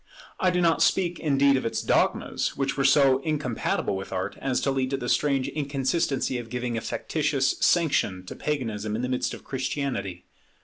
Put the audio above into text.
I do not speak, indeed, of its dogmas; which were so incompatible with Art, as to lead to the strange inconsistency of giving a factitious sanction to Paganism in the midst of Christianity.